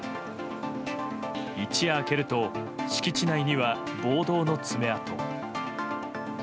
一夜明けると敷地内には暴動の爪痕。